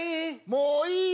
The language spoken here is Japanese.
もういいよ。